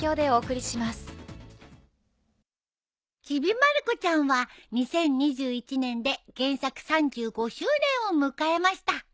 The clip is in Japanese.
『ちびまる子ちゃん』は２０２１年で原作３５周年を迎えました。